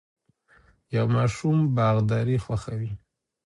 یو ماشوم باغداري خوښوي.